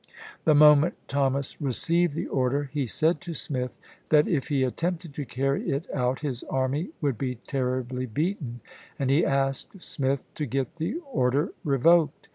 The moment Thomas received the order he said to Smith that, if he attempted to carry m^B^ties it out, his army would be terribly beaten, and he Leaders." asked Smith to get the order revoked.